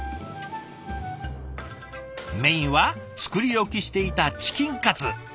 メインは作り置きしていたチキンカツ。